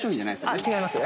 ◆あっ、違いますよ。